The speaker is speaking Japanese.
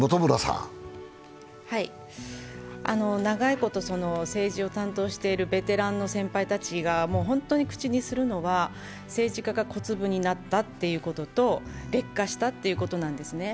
長いこと政治を担当しているベテランの先輩たちが本当に口にするのは、政治家が小粒になったということと、劣化したということなんですね。